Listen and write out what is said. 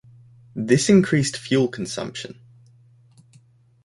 This increased fuel consumption.